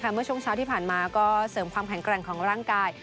เมื่อช่วงเช้าที่ผ่านมาก็เสริมความแข็งแกร่งของร่างกาย